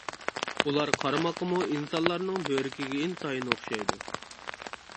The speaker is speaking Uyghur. ئۇلار قارىماققىمۇ ئىنسانلارنىڭ بۆرىكىگە ئىنتايىن ئوخشايدۇ.